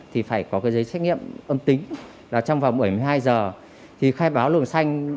thì phải có cái giấy xét nghiệm âm tính là trong vòng bảy mươi hai giờ thì khai báo luồng xanh